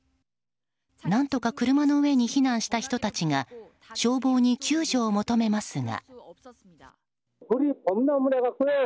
何とか車の上に避難した人たちが消防に救助を求めますが。